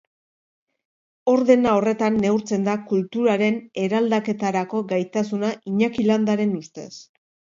Ordena horretan neurtzen da kulturaren eraldaketarako gaitasuna Iñaki Landaren ustez.